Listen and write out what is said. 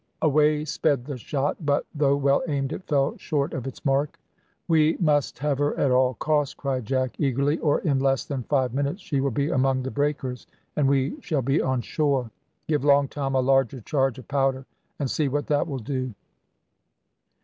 Away sped the shot, but, though well aimed, it fell short of its mark. "We must have her at all cost," cried Jack eagerly, "or in less than five minutes she will be among the breakers; and we shall be on shore. Give Long Tom a larger charge of powder, and see what that will do."